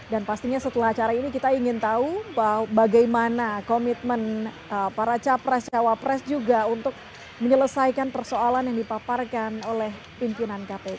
dan pastinya setelah acara ini kita ingin tahu bagaimana komitmen para capres cawapres juga untuk menyelesaikan persoalan yang dipaparkan oleh pimpinan kpk